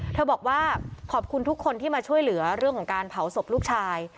บอกว่าขอบคุณทุกคนที่มาช่วยเหลือเรื่องของการเผาศพลูกชาย